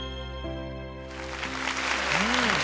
うん。